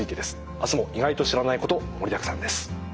あすも意外と知らないこと盛りだくさんです。